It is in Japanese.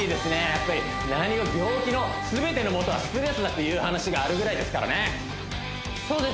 やっぱり病気の全ての元はストレスだっていう話があるぐらいですからね